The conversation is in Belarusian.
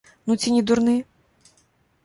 Ну ці не дурны!